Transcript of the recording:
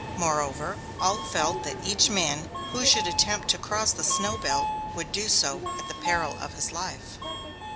Moreover, all felt that each man who should attempt to cross the snow belt would do so at the peril of his life.